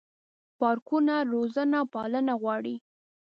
پارکونه روزنه او پالنه غواړي.